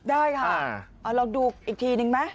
ได้ค่ะลองดูอีกทีนึงไหม